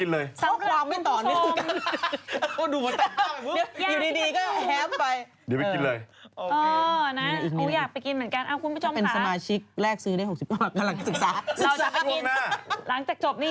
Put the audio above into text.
เฮ้ยเดี๋ยวก่อนซ้อมความเป็นตอนนี้